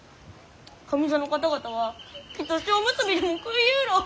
上座の方々はきっと塩むすびでも食いゆうろう！